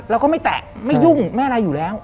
เราก็ไม่แตะไม่ยุ่งไม่อะไรอยู่แล้ว